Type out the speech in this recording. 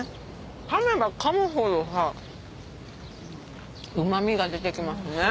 かめばかむほどさうま味が出てきますね。